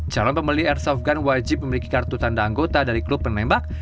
calon pembeli airsoft gun wajib memiliki kartu tanda anggota dari klub penembak